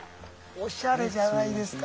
おしゃれじゃないですか。